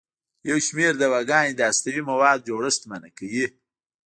یو شمېر دواګانې د هستوي موادو جوړښت منع کوي.